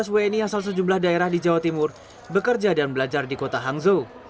tiga belas wni asal sejumlah daerah di jawa timur bekerja dan belajar di kota hangzhou